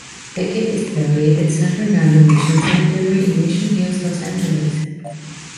Beckett is buried at San Fernando Mission Cemetery in Mission Hills, Los Angeles.